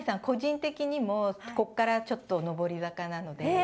個人的にもこっからちょっと上り坂なので。